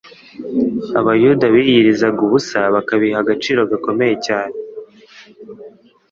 Abayuda biyirizaga ubusa bakabiha agaciro gakomeye cyane,